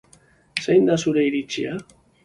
Zein da zure iritzia?